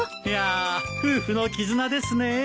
いや夫婦の絆ですね。